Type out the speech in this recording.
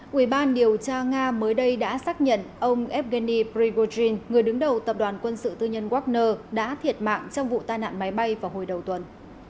quỹ ban điều tra nga mới đây đã xác nhận ông ergeny prigotrin người đứng đầu tập đoàn quân sự tư nhân wagner đã thiệt mạng trong vụ tai nạn máy bay vào hồi đầu tuần